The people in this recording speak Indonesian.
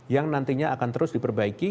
yang nantinya akan terus diperbaiki